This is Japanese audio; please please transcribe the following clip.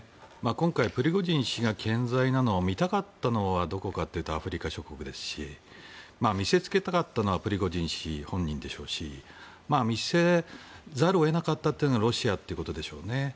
今回、プリゴジン氏が健在なのを見たかったのはどこかというとアフリカ諸国ですし見せつけたかったのはプリゴジン氏本人でしょうし見せざるを得なかったというのがロシアということでしょうね。